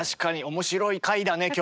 面白い回だね今日。